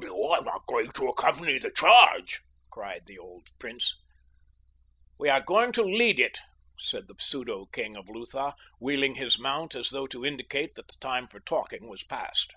"You are not going to accompany the charge!" cried the old prince. "We are going to lead it," and the pseudo king of Lutha wheeled his mount as though to indicate that the time for talking was past.